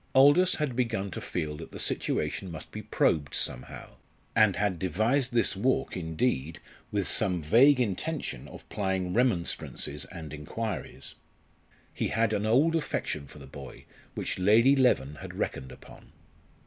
Aldous had begun to feel that the situation must be probed somehow, and had devised this walk, indeed, with some vague intention of plying remonstrances and enquiries. He had an old affection for the boy, which Lady Leven had reckoned upon.